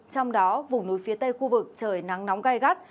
trong đó vùng núi phía tây khu vực trời nắng nóng gai gắt